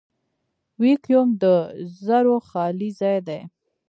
ویکیوم د ذرّو خالي ځای دی.